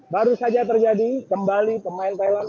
baru saja terjadi kembali pemain thailand